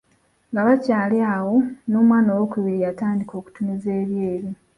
Nga bakyali awo n’omwana ow’okubiri yatandika okutunuza ebyeru.